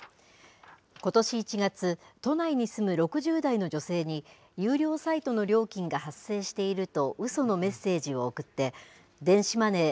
ことし１月、都内に住む６０代の女性に、有料サイトの料金が発生しているとうそのメッセージを送って、電子マネー